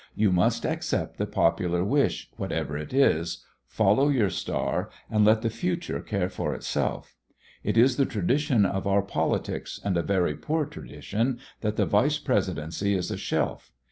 You must accept the popular wish, whatever it is, follow your star, and let the future care for itself. It is the tradition of our politics, and a very poor tradition, that the Vice Presidency is a shelf.